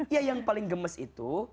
ya yang paling gemes itu